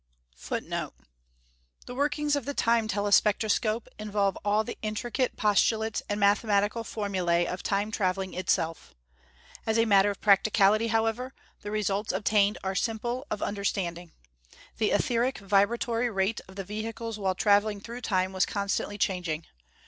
[Footnote 1: The workings of the Time telespectroscope involve all the intricate postulates and mathematical formulae of Time traveling itself. As a matter of practicality, however, the results obtained are simple of understanding. The etheric vibratory rate of the vehicles while traveling through Time was constantly changing.